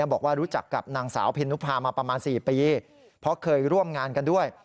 บอกว่ารู้จักกับนางสาวเพนุภามาประมาณ๔ปีเพราะเคยร่วมงานกันด้วย